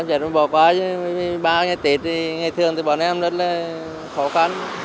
ba ngày tết thì ngày thường thì bọn em rất là khó khăn